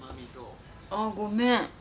あっごめん。